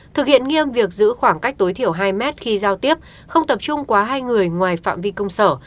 thực hiện nghiêm việc giữ khoảng cách tối thiểu hai mét khi giao tiếp không tập trung quá hai người ngoài phạm vi công sở